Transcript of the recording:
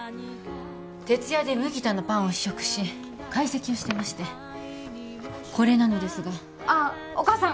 徹夜で麦田のパンを試食し解析をしてましてこれなのですがあっお母さん